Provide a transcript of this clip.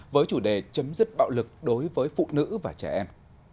với chủ đề chấm dứt bạo lực đối với phụ nữ và trẻ em